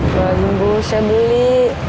tuh lagi bu saya beli